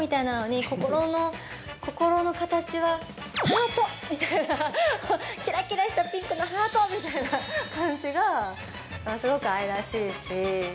ハートみたいなキラキラしたピンクのハートみたいな感じがすごく愛らしいし。